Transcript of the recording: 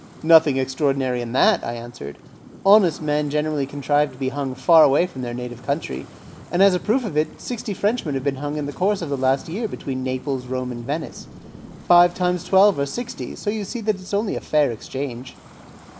"Nothing extraordinary in that," I answered; "honest men generally contrive to be hung far away from their native country; and as a proof of it, sixty Frenchmen have been hung in the course of last year between Naples, Rome, and Venice. Five times twelve are sixty; so you see that it is only a fair exchange."